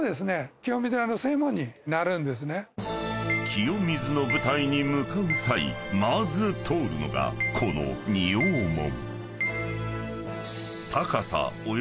［清水の舞台に向かう際まず通るのがこの仁王門］